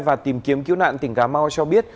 và tìm kiếm cứu nạn tỉnh cà mau cho biết